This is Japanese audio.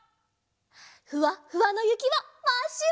ふわっふわのゆきはまっしろ！